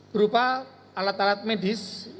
berupa alat alat medis